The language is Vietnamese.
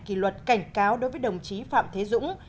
kỷ luật cảnh cáo đối với đồng chí phạm thế dũng